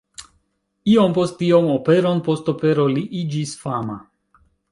Iom post iom, operon post opero, li iĝis fama.